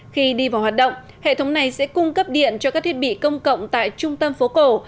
khi đi vào hoạt động hệ thống này sẽ cung cấp điện cho các thiết bị công cộng tại trung tâm phố cổ